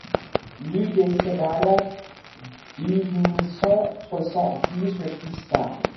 Rue du Ségala, douze mille cent soixante-dix Réquista